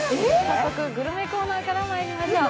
早速、グルメコーナーからまいりましょう。